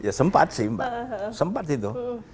ya sempat sih mbak sempat itu